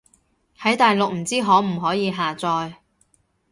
喺大陸唔知可唔可以下載